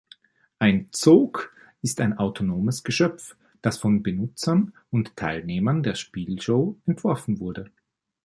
Ein Zook ist ein autonomes Geschöpf, das von Benutzern und Teilnehmern der Spielshow entworfen wurde.